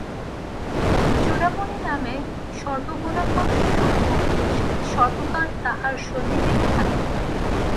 চূড়ামণি নামে সর্বগুণাকর শুকপক্ষী সর্ব কাল তাঁহার সন্নিহিত থাকিত।